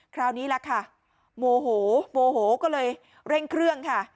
คราวนี้แหละค่ะโมโหโมโหก็เลยเร่งเครื่องค่ะ